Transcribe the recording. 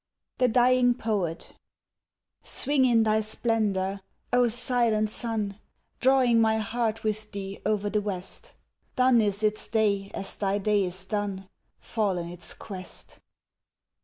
THE DYING POET Swing in thy splendour, O silent sun, Drawing my heart with thee over the west! Done is its day as thy day is done, Fallen its quest!